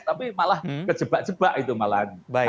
tapi malah kejebak jebak itu malahan